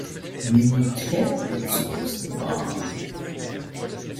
Militärbezirks war.